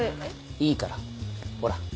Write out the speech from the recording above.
いいからほら。